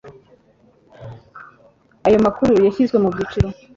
ayo makuru yashyizwe mu byiciro